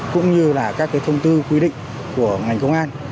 cũng như là các thông tư quy định của ngành công an